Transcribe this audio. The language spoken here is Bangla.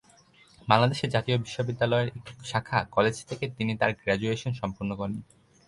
বাংলাদেশের জাতীয় বিশ্ববিদ্যালয়ের একটি শাখা কলেজ থেকে তিনি তার গ্র্যাজুয়েশন সম্পূর্ণ করেন।